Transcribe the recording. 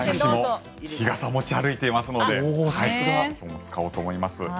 私も日傘を持ち歩いていますので使おうと思います。